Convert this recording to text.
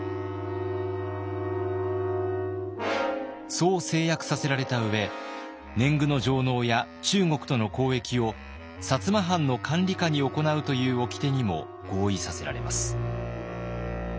そう誓約させられた上年貢の上納や中国との交易を摩藩の管理下に行うというおきてにも合意させられます。